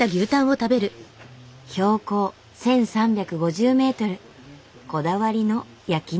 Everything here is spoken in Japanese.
標高１，３５０ｍこだわりの焼き肉。